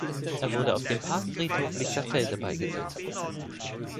Er wurde auf dem Parkfriedhof Lichterfelde beigesetzt.